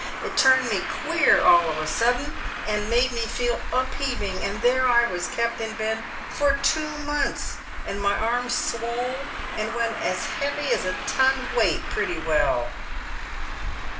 It turned me queer all of a sudden, and made me feel upheaving, and there I was kept in bed for two months, and my arm swole, and went as heavy as a ton weight pretty well."